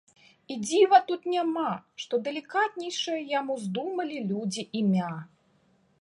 І дзіва тут няма, што далікатнейшае яму здумалі людзі імя.